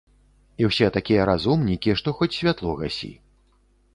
І ўсе такія разумнікі, што хоць святло гасі.